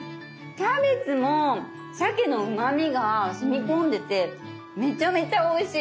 キャベツもしゃけのうまみがしみ込んでてめちゃめちゃおいしい。